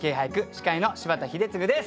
司会の柴田英嗣です。